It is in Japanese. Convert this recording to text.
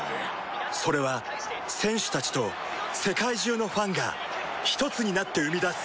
それは選手たちと世界中のファンがひとつになって生み出す